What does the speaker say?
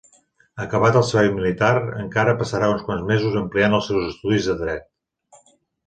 Acabat el servei militar, encara passarà uns quants mesos ampliant els seus estudis de dret.